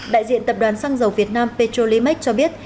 đại diện tập đoàn xăng dầu việt nam petrolimax cho biết